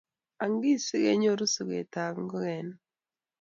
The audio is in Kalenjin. ang'er asikenyoru soketab ngokenik